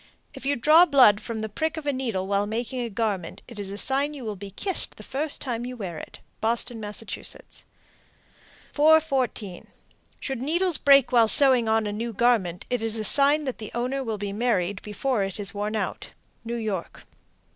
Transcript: If you draw blood from a prick of the needle while making a garment, it is a sign you will be kissed the first time you wear it. Boston, Mass. 414. Should needles break while sewing on a new garment, it is a sign that the owner will be married before it is worn out. _New York.